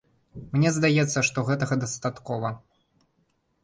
Мне здаецца, што гэтага дастаткова.